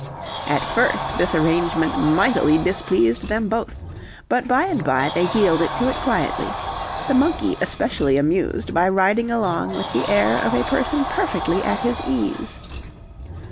At first this arrangement mightily displeased them both, but by and by they yielded to it quietly; the monkey especially amused by riding along with the air of a person perfectly at his ease.